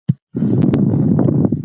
ښوونځي ماشومانو ته د نظم درس ورکوي.